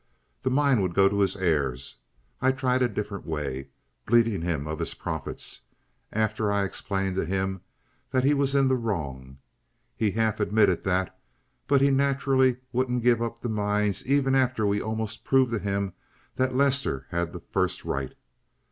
The mine would go to his heirs. I tried a different way bleeding him of his profits, after I'd explained to him that he was in the wrong. He half admitted that, but he naturally wouldn't give up the mines even after we'd almost proved to him that Lester had the first right.